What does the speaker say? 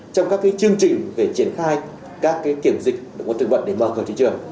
trong các chương trình về triển khai các kiểm dịch đồng quân thực vận để mở cửa thị trường